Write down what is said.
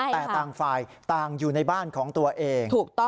แต่ต่างฝ่ายต่างอยู่ในบ้านของตัวเอง